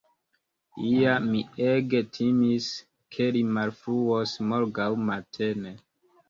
Ja, mi ege timis, ke li malfruos morgaŭ matene.